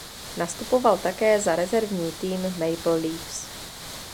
Nastupoval také za rezervní tým Maple Leafs.